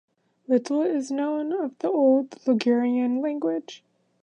Little is known of the Old Ligurian language.